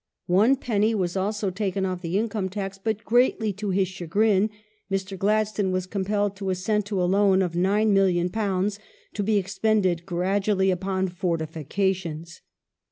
^^^ ^^^5 One penny was also taken off the income tax, but, greatly to his chagrin, Mr. Gladstone was compelled to assent to a loan of £9,000,000 to be expended gradually upon fortifications.